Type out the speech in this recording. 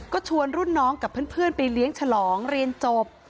ก็ชวนรุ่นน้องกับเพื่อนไปเลี้ยงฉลองเรียนจบ